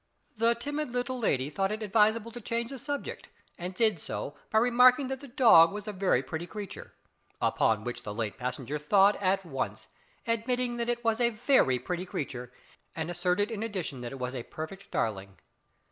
The timid little lady thought it advisable to change the subject and did so by remarking that the dog was a very pretty creature. Upon which the late passenger thawed at once, admitted that it was a very pretty creature, and asserted in addition that it was a "perfect darling."